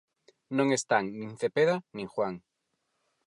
Non están nin Cepeda nin Juan.